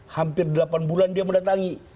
hampir delapan bulan dia mendatangi